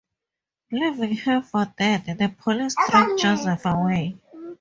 Leaving her for dead, the police drag Joseph away.